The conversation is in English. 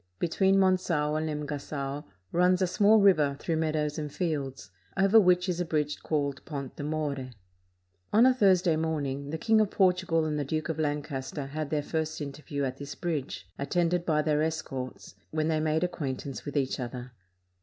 Between Mongao and Lemga^o runs a small river through meadows and fields, over which is a bridge called Pont de More. ■ 572 THE BETROTHAL OF PRINCESS PHILH^PA On a Thursday morning, the King of Portugal and the Duke of Lancaster had their first interview at this bridge, attended by their escorts, when they made ac quaintance with each other.